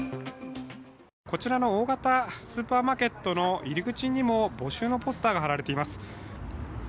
こちらの大型スーパーマーケットの入り口にも募集のポスターが貼られています。